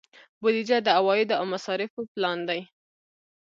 بودجه د عوایدو او مصارفو پلان دی